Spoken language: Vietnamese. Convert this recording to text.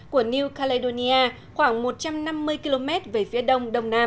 của new caledonia khoảng một trăm năm mươi km về phía đông đông nam